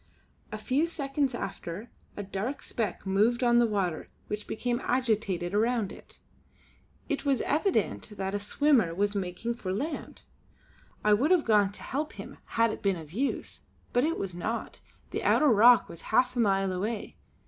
A few seconds after, a dark speck moved on the water which became agitated around it; it was evident that a swimmer was making for the land. I would have gone to help him had it been of use; but it was not, the outer rock was half a mile away.